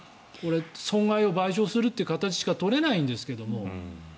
損害を賠償する形しか取れないんですけれども。